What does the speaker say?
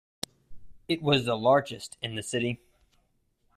It was the largest in the city.